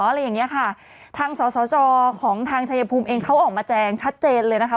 อะไรอย่างเงี้ยค่ะทางสสจของทางชายภูมิเองเขาออกมาแจงชัดเจนเลยนะคะ